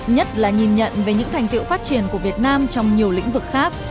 nhất là nhìn nhận về những thành tiệu phát triển của việt nam trong nhiều lĩnh vực khác